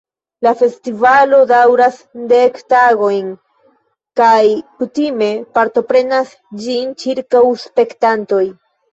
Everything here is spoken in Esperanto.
La festivalo daŭras dek tagojn kaj kutime partoprenas ĝin ĉirkaŭ spektantoj.